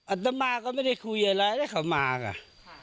อัตมากก็ไม่ได้คุยอะไรเลยข้าวมากอะค่ะ